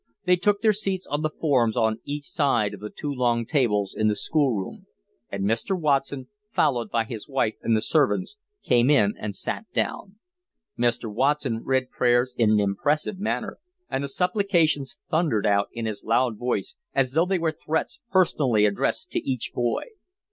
They took their seats on the forms on each side of the two long tables in the school room; and Mr. Watson, followed by his wife and the servants, came in and sat down. Mr. Watson read prayers in an impressive manner, and the supplications thundered out in his loud voice as though they were threats personally addressed to each boy.